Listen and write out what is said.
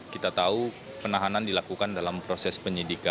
kita tahu penahanan dilakukan dalam proses penyidikan